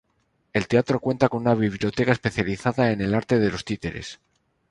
El teatro cuenta con una biblioteca especializada en el arte de los títeres.